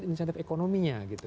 ini contoh ekonominya gitu